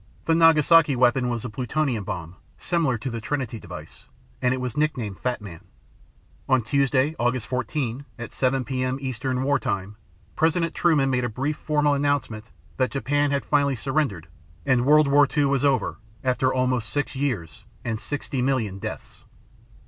The Nagasaki weapon was a plutonium bomb, similar to the Trinity device, and it was nicknamed Fat Man. On Tuesday August 14, at 7 p.m. Eastern War Time, President Truman made a brief formal announcement that Japan had finally surrendered and World War II was over after almost six years and 60 million deaths!